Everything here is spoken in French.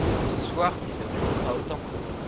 Ce soir ils ne riront pas autant.